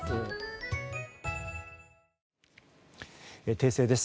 訂正です。